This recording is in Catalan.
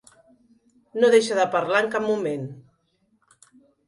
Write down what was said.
No deixa de parlar en cap moment.